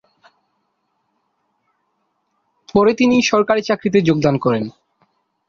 পরে তিনি সরকারি চাকরিতে যোগদান করেন।